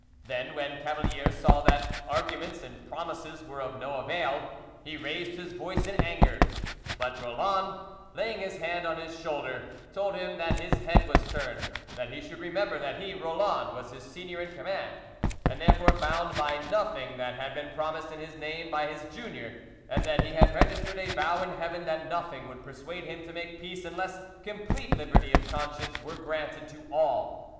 Then, when Cavalier saw that arguments and promises were of no avail, he raised his voice in anger; but Roland, laying his hand on his shoulder, told him that his head was turned, that he should remember that he, Roland, was his senior in command, and therefore bound by nothing that had been promised in his name by his junior, and that he had registered a vow in Heaven that nothing would persuade him to make peace unless complete liberty of conscience were granted to all.